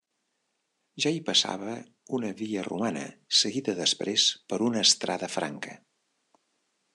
Ja hi passava una via romana, seguida després per una estrada franca.